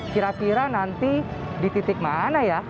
kira kira nanti di titik mana ya